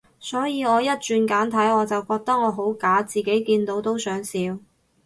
所以我一轉簡體，我就覺得我好假，自己見到都想笑